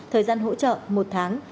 thời gian hỗ trợ một tháng